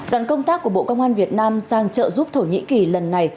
đoàn công tác của bộ công an việt nam sang trợ giúp thổ nhĩ kỳ lần này